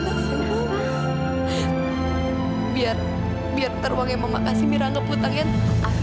vu minggu nanti biar uangnya mama mau kasih barbara vietnamese yang ambil hutangn ya